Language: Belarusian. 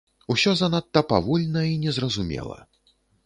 Усё занадта павольна і незразумела.